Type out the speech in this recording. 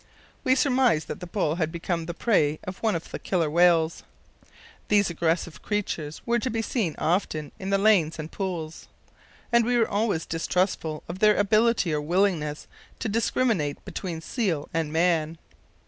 We surmised that the bull had become the prey of one of the killer whales. These aggressive creatures were to be seen often in the lanes and pools, and we were always distrustful of their ability or willingness to discriminate between seal and man.